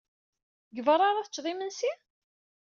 Deg beṛṛa ara teččed imensi?